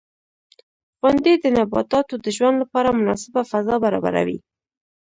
• غونډۍ د نباتاتو د ژوند لپاره مناسبه فضا برابروي.